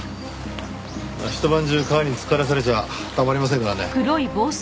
ひと晩中川に浸からされちゃたまりませんからね。